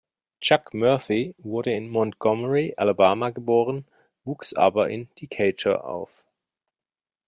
Chuck Murphy wurde in Montgomery, Alabama, geboren, wuchs aber in Decatur auf.